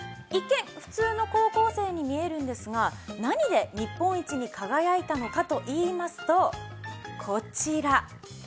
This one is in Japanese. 一見普通の高校生に見えるんですが、何で日本一に輝いたのかといいますと、こちら。